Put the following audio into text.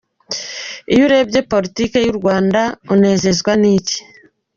com: Iyo urebye politiki y’u Rwanda unezezwa n’iki?.